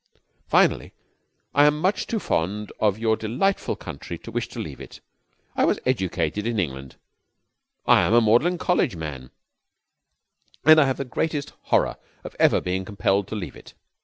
"Finally, I am much too fond of your delightful country to wish to leave it. I was educated in England I am a Magdalene College man and I have the greatest horror of ever being compelled to leave it.